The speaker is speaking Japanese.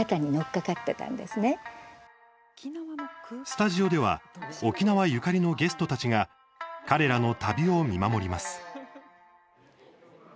スタジオでは沖縄ゆかりのゲストたちが彼らの旅を見守ります。